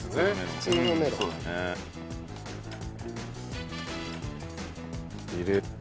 普通のメロン。入れて？